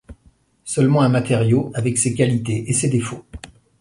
Seulement un matériau, avec ses qualités et ses défauts.